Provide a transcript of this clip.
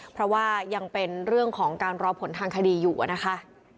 เพราะว่ายังเป็นเรื่องของการรอผลทางคดีอยู่นะคะ